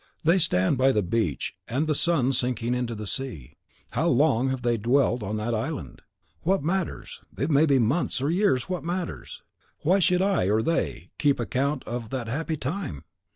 They stand by the beach, and see the sun sinking into the sea. How long now have they dwelt on that island? What matters! it may be months, or years what matters! Why should I, or they, keep account of that happy time?